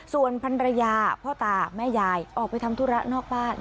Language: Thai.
ส่วนพันรยาพ่อตาแม่ยายออกไปทำธุระนอกบ้าน